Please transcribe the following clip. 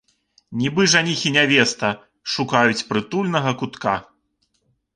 Нібы жаніх і нявеста, шукаюць прытульнага кутка.